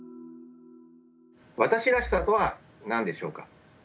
私らしさとは何でしょうか。